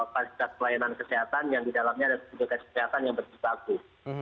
fasilitas pelayanan kesehatan yang didalamnya ada petugas kesehatan yang berjibaku